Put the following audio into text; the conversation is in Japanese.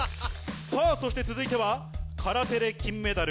さぁそして続いては空手で金メダル。